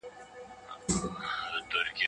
د خوړو ذخيره يخچال کې وساتئ.